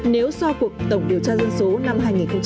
nếu so cuộc tổng điều tra dân số năm hai nghìn chín